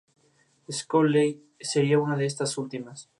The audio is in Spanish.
Shockley sería una de estas últimas.